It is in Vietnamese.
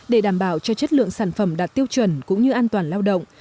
để đảm bảo cho chất lượng sản phẩm đạt tiêu chuẩn cũng như an toàn lao động